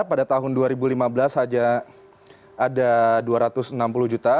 pada tahun dua ribu lima belas saja ada dua ratus enam puluh juta